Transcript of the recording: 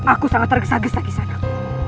aku sangat tergesa gesa kisahkan